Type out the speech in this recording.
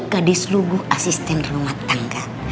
gadis lu gue asisten rumah tangga